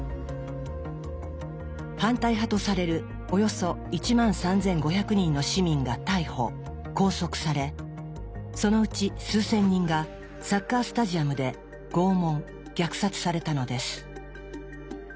反対派とされるおよそ１万３，５００人の市民が逮捕拘束されそのうち数千人がサッカー・スタジアムで拷問虐殺されたのです。